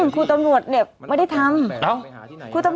ครูตำรวจไม่ได้ทำ